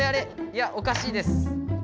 いやおかしいです。